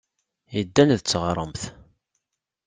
Yeddan d teɣremt.